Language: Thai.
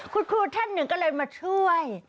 คุณครูท่านหนึ่งก็เลยมาช่วย